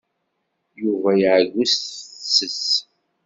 Yuba iɛeyyu s tefses.